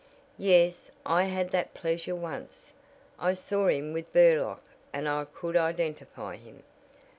"Yes, I had that pleasure once. I saw him with Burlock and I could identify him.